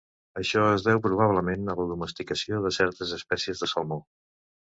Això es deu probablement a la domesticació de certes espècies de salmó.